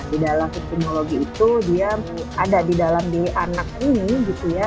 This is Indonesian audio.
di dalam sistemologi itu dia ada di dalam diri anak ini gitu ya